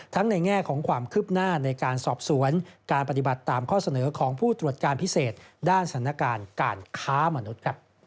ในแง่ของความคืบหน้าในการสอบสวนการปฏิบัติตามข้อเสนอของผู้ตรวจการพิเศษด้านสถานการณ์การค้ามนุษย์